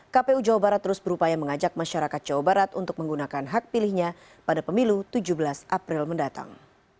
kpu jawa barat terus berupaya mengajak masyarakat jawa barat untuk menggunakan hak pilihnya pada pemilu tujuh belas april mendatang